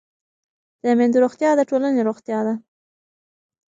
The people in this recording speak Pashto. د میندو روغتیا د ټولنې روغتیا ده.